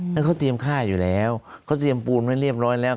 แล้วเขาเตรียมฆ่าอยู่แล้วเขาเตรียมปูนไว้เรียบร้อยแล้ว